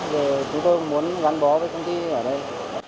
để chúng tôi muốn gắn bó với công ty ở đây